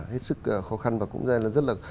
hết sức khó khăn và cũng rất là